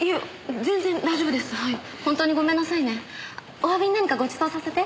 おわびに何かごちそうさせて。